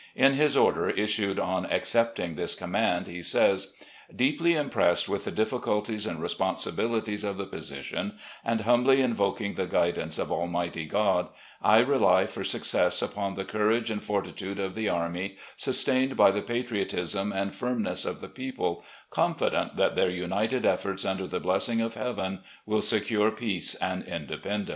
In his order issued on accepting this command he says :.. Deeply impressed with the difficulties and responsibilities of the position, and humbly invo king the guidance of Almighty God, I rely for success upon the courage and fortitude of the army, sustained by the patriotism and firmness of the people, confident that their united efforts under the blessing of Heaven will secure peace and independence.